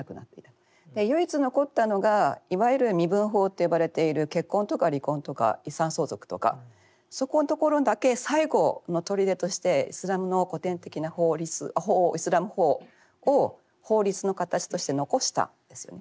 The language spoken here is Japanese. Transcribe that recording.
唯一残ったのがいわゆる「身分法」と呼ばれている結婚とか離婚とか遺産相続とかそこのところだけ最後の砦としてイスラムの古典的な法律イスラム法を法律の形として残したんですよね。